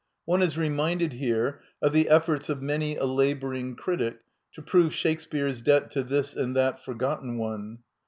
One is reminded here of the efforts of many a laboring critic to prove Shakespeare's debt to this and that forgotten one."